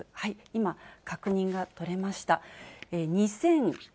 今、確認が取れました。